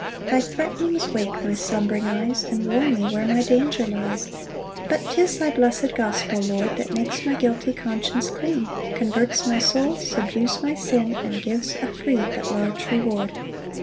7 Thy threatenings wake my slumbering eyes, And warn me where my danger lies; But 'tis thy blessed gospel, Lord, That makes my guilty conscience clean, Converts my soul, subdues my sin, And gives a free but large reward.